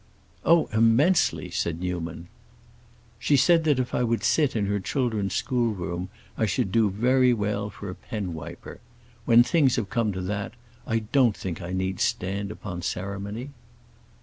"Oh, immensely," said Newman. "She said that if I would sit in her children's schoolroom I should do very well for a penwiper! When things have come to that I don't think I need stand upon ceremony."